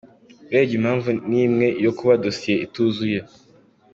Urebye impamvu n’imwe, yo kuba dosiye ituzuye.